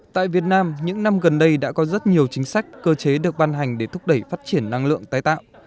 tại việt nam những năm gần đây đã có rất nhiều chính sách cơ chế được ban hành để thúc đẩy phát triển năng lượng tái tạo